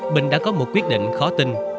bình đã có một quyết định khó tin